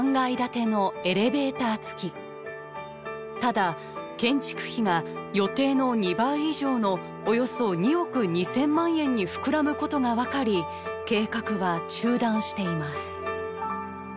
ただ建築費が予定の２倍以上のおよそ２億２０００万円に膨らむことがわかり計画は中断しています。